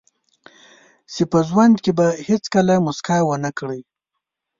چې په ژوند کې به هیڅکله موسکا ونه کړئ.